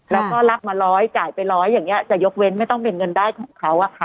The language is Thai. แล้วก็รับมาร้อยจ่ายไปร้อยอย่างนี้จะยกเว้นไม่ต้องเป็นเงินได้ของเขาอะค่ะ